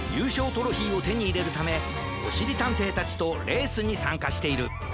トロフィーをてにいれるためおしりたんていたちとレースにさんかしている。